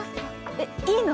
えっいいの？